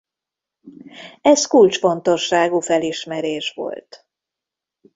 Ez kulcsfontosságú felismerés volt.